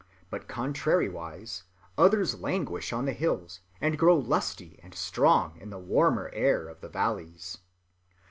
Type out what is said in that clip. But contrariwise, others languish on the hills, and grow lusty and strong in the warmer air of the valleys.